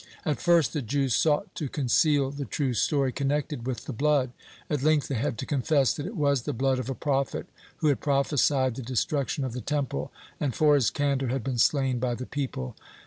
At first the Jews sought to conceal the true story connected with the blood. At length they had to confess, that it was the blood of a prophet who had prophesied the destruction of the Temple, and for his candor had been slain by the people.